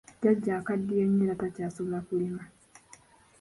Jjajja akaddiye nnyo era takyasobola kulima.